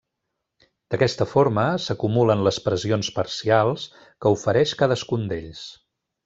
D'aquesta forma, s'acumulen les pressions parcials que ofereix cadascun d'ells.